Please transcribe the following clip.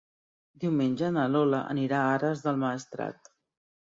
Diumenge na Lola anirà a Ares del Maestrat.